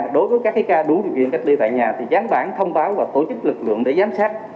đối với các ca đủ điều kiện cách ly tại nhà thì gián bản thông báo và tổ chức lực lượng để giám sát